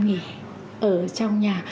nghỉ ở trong nhà